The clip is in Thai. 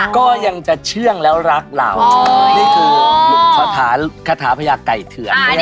ก็ยังจะเชื่องแล้วรักเรานี่คือคาถาพระยากไก่เถือนยังได้สวดบทนี้